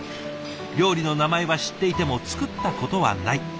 料理の名前は知っていても作ったことはない。